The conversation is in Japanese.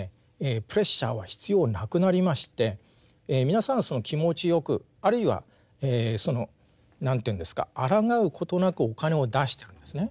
プレッシャーは必要なくなりまして皆さん気持ちよくあるいはその何ていうんですかあらがうことなくお金を出してるんですね。